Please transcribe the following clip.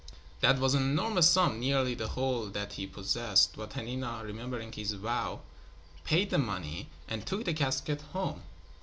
That was an enormous sum, nearly the whole that he possessed, but Hanina, remembering his vow, paid the money and took the casket home.